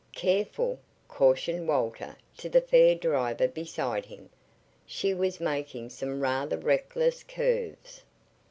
"Careful," cautioned Walter to the fair driver beside him. She was making some rather reckless curves.